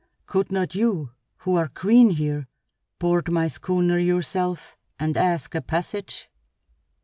Could not you, who are queen here, board my schooner yourself and ask a passage?"